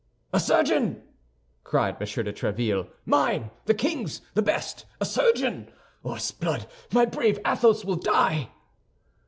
"A surgeon!" cried M. de Tréville, "mine! The king's! The best! A surgeon! Or, s'blood, my brave Athos will die!"